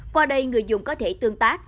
qua đây người dùng có thể tương tác